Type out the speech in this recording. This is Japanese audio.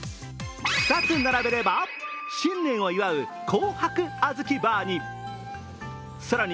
２つ並べれば、新年を祝う紅白あずきバーに。